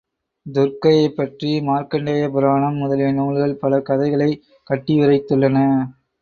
துர்க்கையைப் பற்றி மார்க்கண்டேய புராணம் முதலிய நூல்கள் பல கதைகளைக் கட்டியுரைத்துள்ளன.